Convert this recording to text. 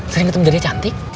sering ketemu dede cantik